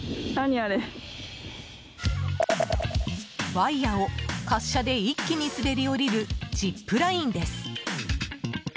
ワイヤを滑車で一気に滑り降りるジップラインです。